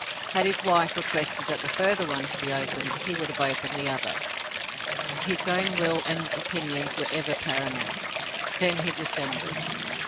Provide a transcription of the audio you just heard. Had his wife requested that the further one to be opened, he would have opened the other; his own will and opinions were ever paramount. Then he descended.